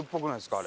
あれ。